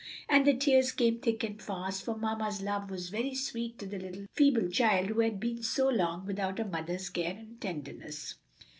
And the tears came thick and fast, for mamma's love was very sweet to the little feeble child, who had been so long without a mother's care and tenderness.